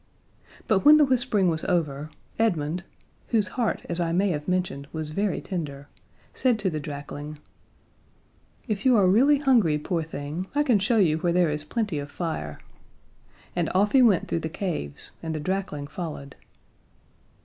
But when the whispering was over, Edmund whose heart, as I may have mentioned, was very tender said to the drakling: "If you are really hungry, poor thing, I can show you where there is plenty of fire." And off he went through the caves, and the drakling followed.